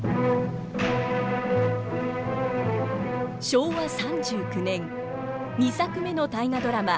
昭和３９年２作目の大河ドラマ